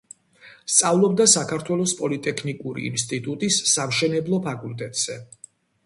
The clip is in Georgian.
სწავლობდა საქართველოს პოლიტექნიკური ინსტიტუტის სამშენებლო ფაკულტეტზე.